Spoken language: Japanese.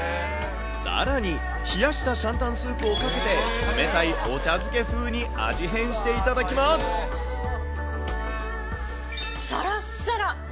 さらに、冷したシャンタンスープをかけて、冷たいお茶漬け風に味変していたさらっさら。